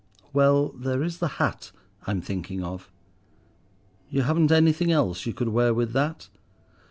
"Well, there is the hat I'm thinking of." "You haven't anything else you could wear with that?"